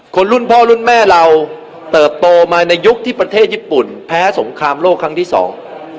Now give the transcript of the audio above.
คนรุ่นพ่อรุ่นแม่เราเติบโตมาในยุคที่ประเทศญี่ปุ่นแพ้สงครามโลกครั้งที่สอง